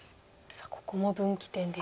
さあここも分岐点ですか。